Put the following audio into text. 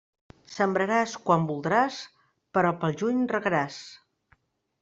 Sembraràs quan voldràs, però pel juny regaràs.